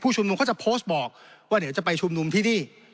ชุมนุมเขาจะโพสต์บอกว่าเดี๋ยวจะไปชุมนุมที่นี่